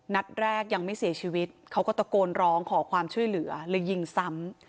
นัดแรกยังไม่เสียชีวิตเขาก็ตะโกนร้องขอความช่วยเหลือเลยยิงซ้ำ